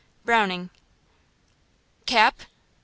–BROWNING. "CAP?"